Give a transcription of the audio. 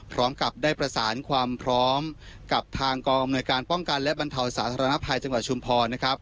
พร้อมกับได้ประสานความพร้อมกับทางกองอำนวยการป้องกันและบรรเทาสาธารณภัยจังหวัดชุมพรนะครับ